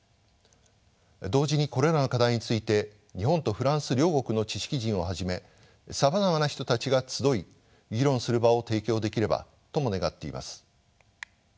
同時にこれらの課題について日本とフランス両国の知識人をはじめさまざまな人たちが集い議論する場を提供できればとも願っています。